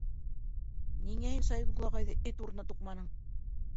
Ниңә һин Сәйетҡол ағайҙы эт урынына туҡманың?